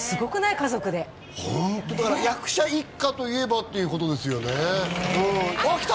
家族でホントだから役者一家といえばっていうことですよねあっ来た